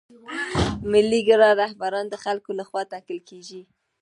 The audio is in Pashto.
ملي ګرا رهبران د خلکو له خوا ټاکل کیږي.